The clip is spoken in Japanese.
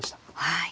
はい。